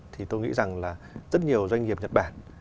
thì tôi nghĩ rằng là rất nhiều doanh nghiệp nhật bản